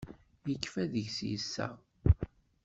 Yekfa deg-s yiseɣ.